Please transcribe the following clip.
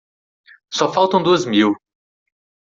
Só faltam duas mil.